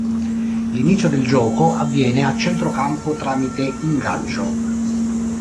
L'inizio del gioco avviene a centro campo tramite ingaggio.